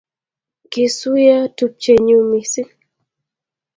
Kisuiyo tupchenyuu missing